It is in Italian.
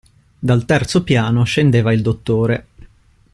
Dal terzo piano scendeva il dottore.